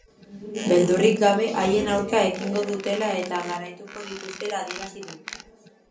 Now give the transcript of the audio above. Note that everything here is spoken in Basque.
Beldurrik gabe haien aurka ekingo dutela eta garaituko dituztela adierazi du.